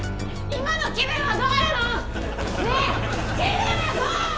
・今の気分はどうなの！？